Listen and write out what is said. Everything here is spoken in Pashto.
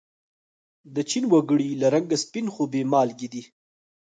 د چین و گړي له رنگه سپین خو بې مالگې دي.